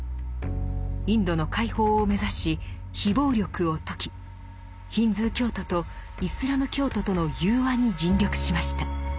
インドの解放を目指し非暴力を説きヒンズー教徒とイスラム教徒との融和に尽力しました。